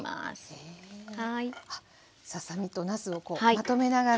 ささ身となすをまとめながら。